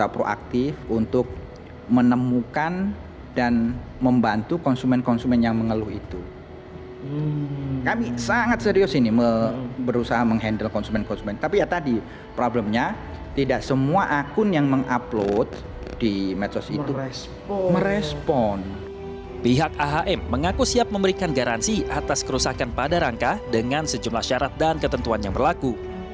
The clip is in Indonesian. pihak ahm mengaku siap memberikan garansi atas kerusakan pada rangka dengan sejumlah syarat dan ketentuan yang berlaku